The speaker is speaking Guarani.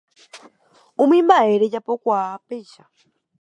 Upe mbaʼe rejapokuaa péicha.